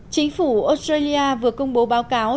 chính phủ australia vừa công bố báo cáo